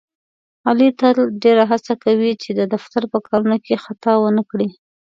علي تل ډېره هڅه کوي، چې د دفتر په کارونو کې خطا ونه کړي.